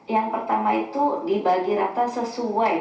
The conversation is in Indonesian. yang pertama itu dibagi rata sesuai